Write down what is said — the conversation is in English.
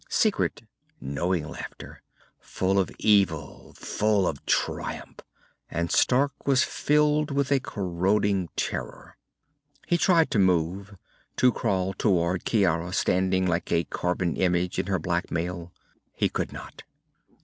Secret, knowing laughter, full of evil, full of triumph, and Stark was filled with a corroding terror. He tried to move, to crawl toward Ciara standing like a carven image in her black mail. He could not.